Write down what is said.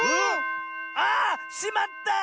ああっしまった！